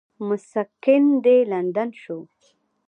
مسکن دې لندن شو.